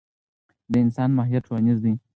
د انسان ماهیت ټولنیز دی.